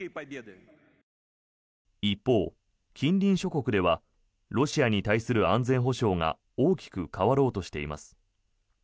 一方、近隣諸国ではロシアに対する安全保障が大きく変わろうとしています。